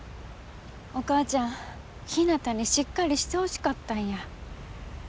お母ちゃんひなたにしっかりしてほしかったんや。